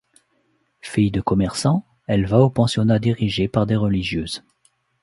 Fille de commerçants, elle va au pensionnat dirigé par des religieuses.